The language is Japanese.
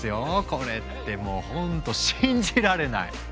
これってもうほんと信じられない！